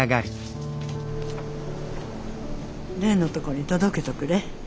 蓮のとこに届けとくれ。